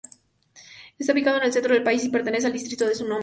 Está ubicado en el centro del país y pertenece al distrito de su nombre.